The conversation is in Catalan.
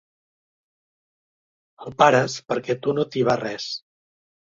El pares perquè a tu no t'hi va res.